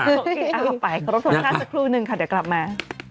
เอาไปรับความค่าสักครู่นึงค่ะเดี๋ยวกลับมา